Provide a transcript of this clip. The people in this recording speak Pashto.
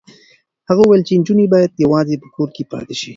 هغه وویل چې نجونې باید یوازې په کور کې پاتې شي.